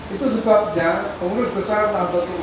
itu sebabnya pengurus besar takut